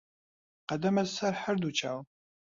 قەدەمت سەر هەر دوو چاوم